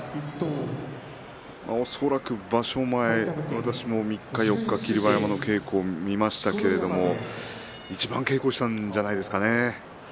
場所前３日、４日、霧馬山の稽古を見ましたけれどもいちばん稽古をしたんじゃないですかね。